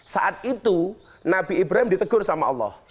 saat itu nabi ibrahim ditegur sama allah